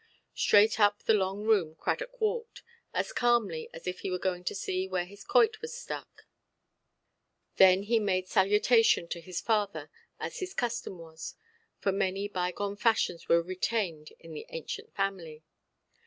Straight up the long room Cradock walked, as calmly as if he were going to see where his quoit was stuck; then he made salutation to his father, as his custom was, for many bygone fashions were retained in the ancient family.